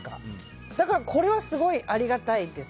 だから、これはすごくありがたいです。